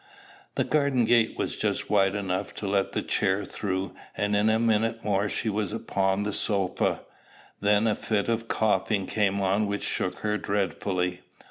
The garden gate was just wide enough to let the chair through, and in a minute more she was upon the sofa. Then a fit of coughing came on which shook her dreadfully.